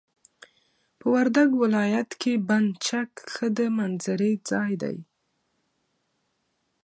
په وردګ ولايت کي بند چک ښه د منظرې ځاي دي.